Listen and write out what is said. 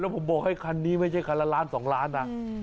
ผมบอกให้คันนี้ไม่ใช่คันละล้าน๒ล้านนะ